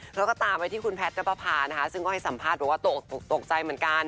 แล้วก็ตามไปที่คุณแพทย์นับประพานะคะซึ่งก็ให้สัมภาษณ์บอกว่าตกใจเหมือนกัน